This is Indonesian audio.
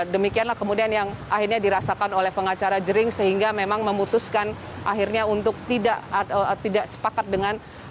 demikianlah kemudian yang akhirnya dirasakan oleh pengacara jering sehingga memang memutuskan akhirnya untuk tidak sepakat dengan